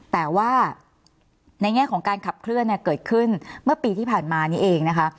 แต่ว่าในแง่ของการขับเคลื่อนเกิดขึ้นเมื่อปีที่ผ่านมานี้เองนะคะ